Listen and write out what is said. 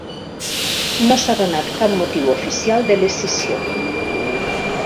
No s'ha donat cap motiu oficial de l'escissió.